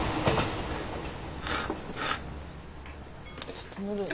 ちょっとぬるい。